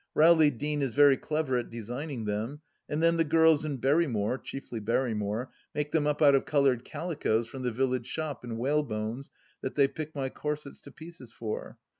Rowley Deane is very clever at designing them, and then the girls and Berrymore — chiefly Berrymore — make them up out of coloured calicoes from the village shop and whalebones that they pick my corsets to pieces for.